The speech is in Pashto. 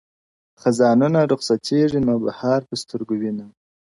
خزانونه رخصتیږي نوبهار په سترګو وینم -